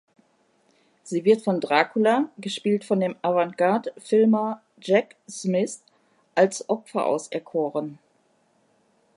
Sie wird von Dracula, gespielt von dem Avantgarde-Filmer Jack Smith, als Opfer auserkoren.